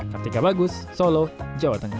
kartika bagus solo jawa tengah